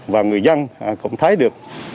và người dân cũng thấy được